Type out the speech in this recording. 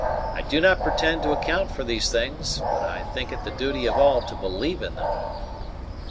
I do not pretend to account for these things, but I think it the duty of all to believe in them."